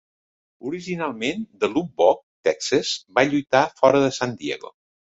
Originalment de Lubbock, Texas, va lluitar fora de San Diego.